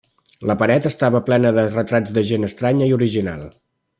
La paret estava plena de retrats de gent estranya i original.